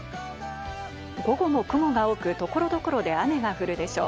午後も雲が多く所々で雨が降るでしょう。